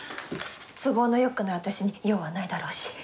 都合のよくない私に用はないだろうし。